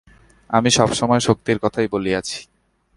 আমি সব সময়ে শক্তির কথাই বলিয়াছি।